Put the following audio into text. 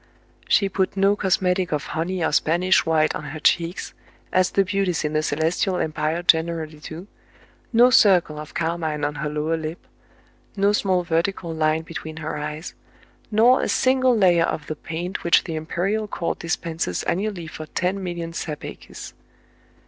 She put no cosmetic of honey or Spanish white on her cheeks, as the beauties in the Celestial Empire generally do, no circle of car mine on her lower lip, no small vertical line be tween her eyes, nor a single layer of the paint which the imperial court dispenses annually for ten million sapeques.